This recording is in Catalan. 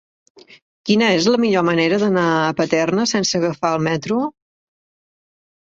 Quina és la millor manera d'anar a Paterna sense agafar el metro?